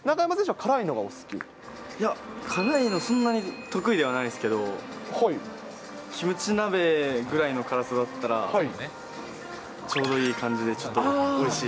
いや、辛いのそんなに得意ではないんですけど、キムチ鍋ぐらいの辛さだったら、ちょうどいい感じでおいしい。